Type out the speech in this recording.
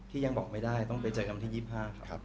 ยังบอกไม่ได้ต้องไปเจอกันวันที่๒๕ครับ